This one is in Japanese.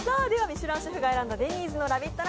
ミシュランシェフが選んだデニーズのラヴィット！